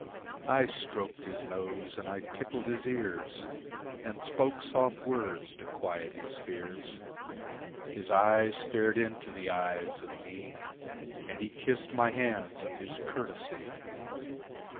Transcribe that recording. I stroked his nose and I tickled his ears, And spoke soft words to quiet his fears. His eyes stared into the eyes of me And he kissed my hands of his courtesy.